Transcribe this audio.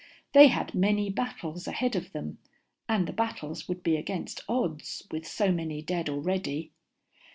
They had many battles ahead of them, and the battles would be against odds, with so many dead already.